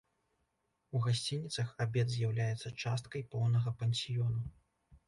У гасцініцах абед з'яўляецца часткай поўнага пансіёну.